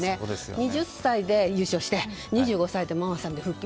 ２０歳で優勝して２５歳でママさんで復帰。